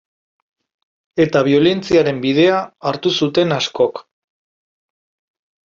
Eta biolentziaren bidea hartu zuten askok.